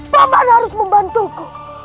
paman harus membantuku